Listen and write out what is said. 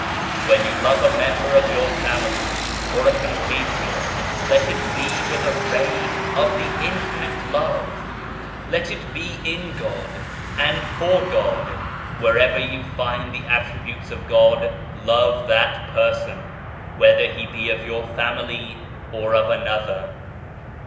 When you love a member of your family or a com patriot, let it be with a ray of the Infinite Love ! Let it be in God, and for God ! Wherever you find the Attributes of God love that person, whether he be of your family or of another.